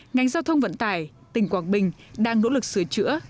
ngành giao thông vận tải tỉnh quảng bình đang nỗ lực sửa chữa